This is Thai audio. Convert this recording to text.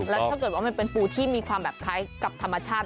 แล้วถ้าเกิดว่ามันเป็นปูที่มีความแบบคล้ายกับธรรมชาติ